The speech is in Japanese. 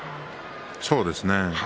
そうですね。